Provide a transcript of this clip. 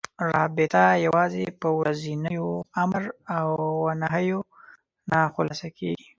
رابطه یوازې په ورځنيو امر و نهيو نه خلاصه کېږي.